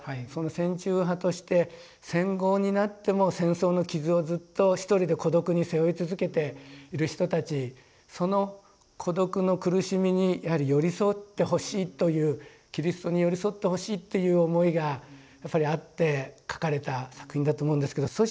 その戦中派として戦後になっても戦争の傷をずっと一人で孤独に背負い続けている人たちその孤独の苦しみにやはり寄り添ってほしいというキリストに寄り添ってほしいっていう思いがやっぱりあって書かれた作品だと思うんですけど。